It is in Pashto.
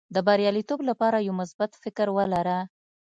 د بریالیتوب لپاره یو مثبت فکر ولره.